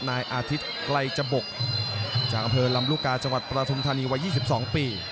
นายอาทิตย์ไกลจบกจากอำเภอลำลูกกาจังหวัดประธุมธานีวัย๒๒ปี